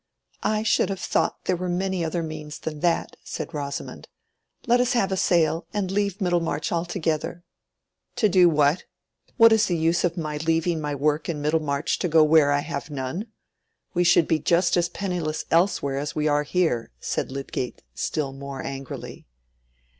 "I should have thought there were many other means than that," said Rosamond. "Let us have a sale and leave Middlemarch altogether." "To do what? What is the use of my leaving my work in Middlemarch to go where I have none? We should be just as penniless elsewhere as we are here," said Lydgate still more angrily.